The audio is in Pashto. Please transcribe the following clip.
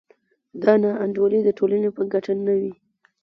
دا نا انډولي د ټولنې په ګټه نه وي.